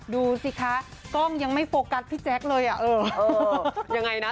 ดูสิคะกล้องยังไม่โฟกัสพี่แจ๊คเลยอ่ะเออยังไงนะ